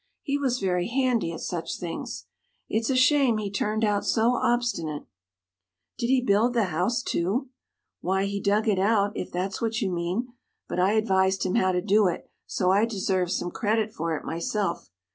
He was very handy at such things. It's a shame he turned out so obstinate." "Did he build the house too?" "Why, he dug it out, if that's what you mean. But I advised him how to do it, so I deserve some credit for it myself.